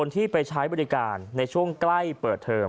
ที่ไปใช้บริการในช่วงใกล้เปิดเทอม